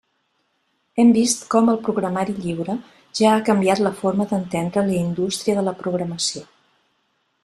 Hem vist com el programari lliure ja ha canviat la forma d'entendre la indústria de la programació.